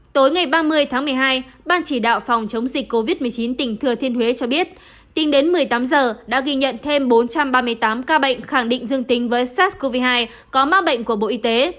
tối ngày ba mươi tháng một mươi hai ban chỉ đạo phòng chống dịch covid một mươi chín tỉnh thừa thiên huế cho biết tính đến một mươi tám giờ đã ghi nhận thêm bốn trăm ba mươi tám ca bệnh khẳng định dương tính với sars cov hai có mắc bệnh của bộ y tế